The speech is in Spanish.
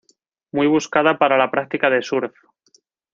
Muy buscada para la práctica de surf.